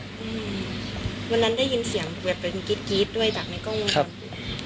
วันนั้นได้ยินเสียงเปลือกเป็นกรี๊ดด้วยตามกล้องมือ